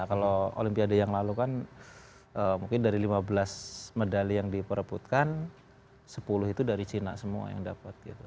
kalau olimpiade yang lalu kan mungkin dari lima belas medali yang diperebutkan sepuluh itu dari cina semua yang dapat gitu